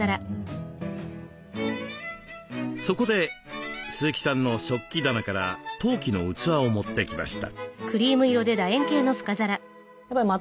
そこで鈴木さんの食器棚から陶器の器を持ってきました。